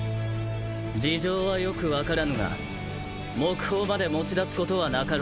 事情はよく分からぬが木砲まで持ち出すことはなかろう。